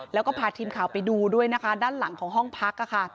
แล้วก็พาทีมข่าวไปดูด้วยนะคะด้านหลังของห้องพักค่ะ